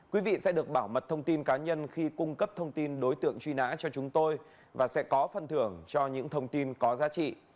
quý vị sẽ được bảo mật thông tin cá nhân khi cung cấp thông tin đối tượng truy nã cho chúng tôi và sẽ có phần thưởng cho những thông tin có giá trị